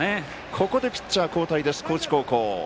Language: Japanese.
ここでピッチャー交代です高知高校。